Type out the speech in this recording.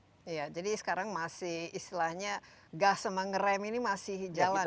iya jadi sekarang masih istilahnya gas sama ngerem ini masih jalan ya